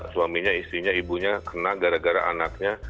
suaminya istrinya ibunya kena gara gara anaknya